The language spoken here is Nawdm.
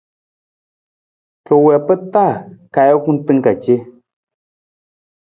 Ra wii pa taa ka ajukun tan ka ce.